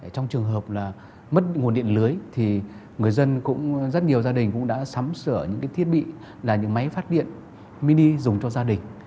trong trường hợp là mất nguồn điện lưới thì người dân cũng rất nhiều gia đình cũng đã sắm sửa những thiết bị là những máy phát điện mini dùng cho gia đình